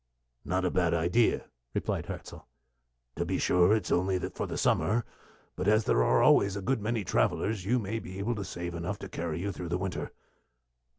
"Not a bad idea," replied Hirzel. "To be sure, it is only for the summer; but as there are always a good many travellers, you might be able to save enough to carry you through the winter.